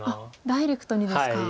ダイレクトにですか。